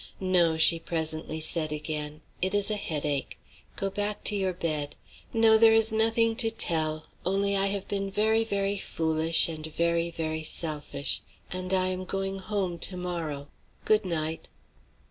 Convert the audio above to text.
"No," she presently said again, "it is a headache. Go back to your bed. No, there is nothing to tell; only I have been very, very foolish and very, very selfish, and I am going home to morrow. Good night."